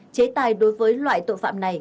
chế tài đối với loại tội phạm này